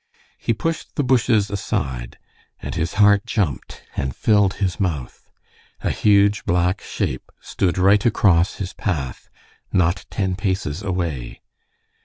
He pushed the bushes aside, and his heart jumped and filled his mouth. A huge, black shape stood right across his path not ten paces away.